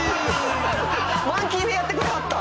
マンキンでやってくれはった！